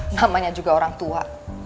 namanya juga orang tua